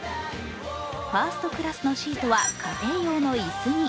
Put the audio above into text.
ファーストクラスのシートは家庭用のいすに。